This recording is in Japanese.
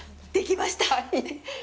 できました！！